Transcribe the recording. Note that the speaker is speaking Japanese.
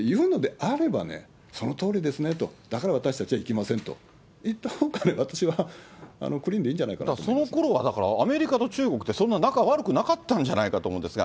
で、今になって、スポーツと政治は別だと言うのであれば、そのとおりですねと、だから私たちは行きませんと言ったほうがね、私はクリーンでいいんじゃないかと思うんそのころは、だから、アメリカと中国って、そんな仲悪くなかったんじゃないかと思うんですが。